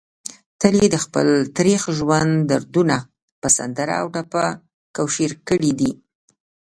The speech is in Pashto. تل يې دخپل تريخ ژوند دردونه په سندره او ټپه کوشېر کړي دي